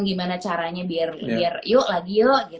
gimana caranya biar yuk lagi yuk